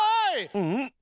うん？